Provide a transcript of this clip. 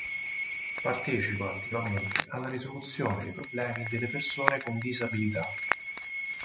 Partecipa attivamente alla risoluzione dei problemi delle persone con disabilità.